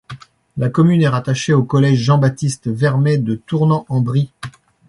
La commune est rattachée au collège Jean-Baptiste Vermay de Tournan-en-Brie.